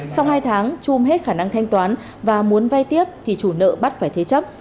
sau hai tháng chung hết khả năng thanh toán và muốn vay tiếp thì chủ nợ bắt phải thế chấp